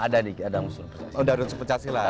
ada di dalamnya ada unsur pencak silat